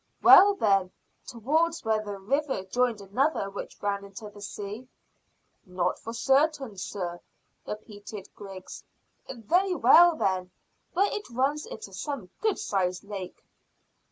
"Well, then, towards where the river joined another which ran into the sea." "Not for certain, sir," repeated Griggs. "Very well, then, where it runs into some good sized lake."